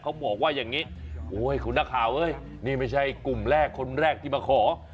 เขาบอกว่าอย่างนี้โอ้ยคุณนักข่าวเอ้ยนี่ไม่ใช่กลุ่มแรกคนแรกที่มาขอ